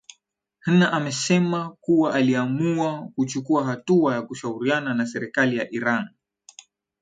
hna amesema kuwa aliamua kuchukua hatua ya kushauriana na serikali ya iran